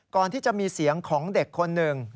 ก่อนที่จะมีเสียงของเด็กคนหนึ่ง